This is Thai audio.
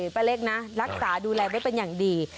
ป้าเล็กนะรักษาดูแลได้เป็นอย่างดี